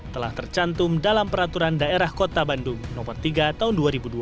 telah tercantum dalam peraturan daerah kota bandung no tiga tahun dua ribu dua puluh